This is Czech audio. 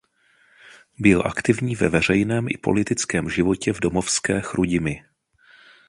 Byl aktivní ve veřejném a politickém životě v domovské Chrudimi.